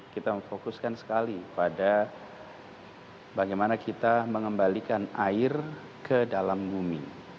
kita memfokuskan sekali pada bagaimana kita mengembalikan air ke dalam bumi